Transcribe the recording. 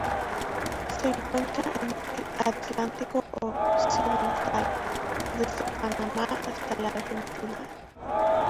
Se encuentra en el Atlántico occidental: desde Panamá hasta la Argentina.